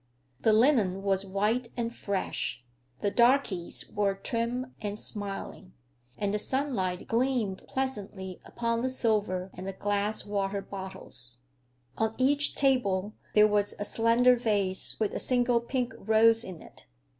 The linen was white and fresh, the darkies were trim and smiling, and the sunlight gleamed pleasantly upon the silver and the glass water bottles. On each table there was a slender vase with a single pink rose in it.